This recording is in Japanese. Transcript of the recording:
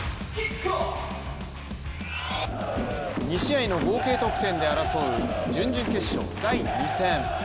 ２試合の合計得点で争う準々決勝第２戦。